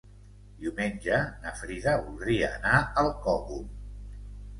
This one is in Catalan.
Diumenge na Frida voldria anar al Cogul.